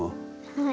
はい。